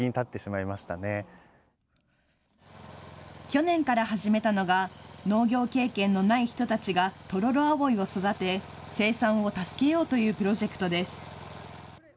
去年から始めたのが農業経験のない人たちがトロロアオイを育て生産を助けようというプロジェクトです。